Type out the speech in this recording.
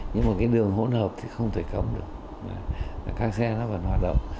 nhưng mà cái đường hỗn hợp thì không thể cấm được các xe nó vẫn hoạt động